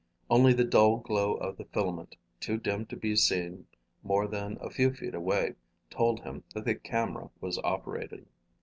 Only the dull glow of the filament, too dim to be seen more than a few feet away, told him that the camera was operating.